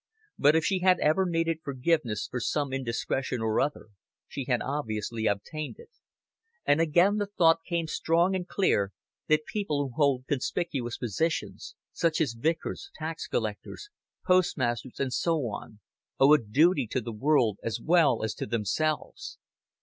But if she had ever needed forgiveness for some indiscretion or other, she had obviously obtained it; and again the thought came strong and clear that people who hold conspicuous positions such as vicars, tax collectors, postmasters, and so on owe a duty to the world as well as to themselves.